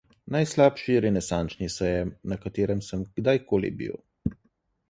Najslabši Renesančni sejem, na katerem sem kdajkoli bil.